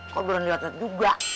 kok belum liat liat juga